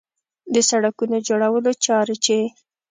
د سړکونو جوړولو چارې چې